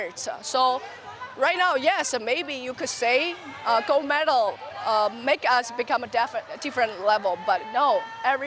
jadi sekarang ya mungkin anda bisa mengatakan gold medal membuat kita menjadi level yang berbeda